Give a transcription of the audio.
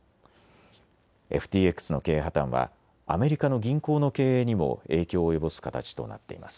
ＦＴＸの経営破綻はアメリカの銀行の経営にも影響を及ぼす形となっています。